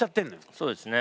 そうですね。